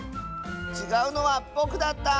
ちがうのはぼくだった！